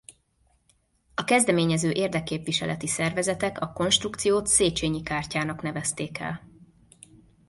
A kezdeményező érdekképviseleti szervezetek a konstrukciót Széchenyi Kártyának nevezték el.